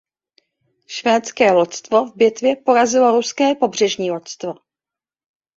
Švédské loďstvo v bitvě porazilo ruské pobřežní loďstvo.